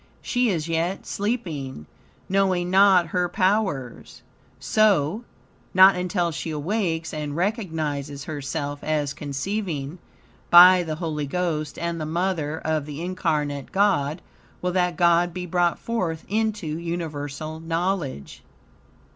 She is yet sleeping, knowing not her powers. So, not until she awakes and recognizes herself as conceiving by the Holy Ghost and the mother of the incarnate God, will that God be brought forth unto universal knowledge.